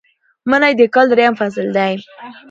منی د کال دریم فصل دی